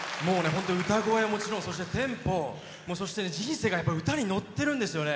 歌声はもちろん、テンポそして、人生が歌に乗ってるんですよね。